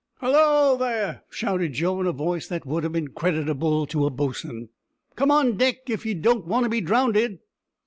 "Hallo! there," shouted Joe, in a voice that would have been creditable to a boatswain, "come on deck if ye don't want to be drownded."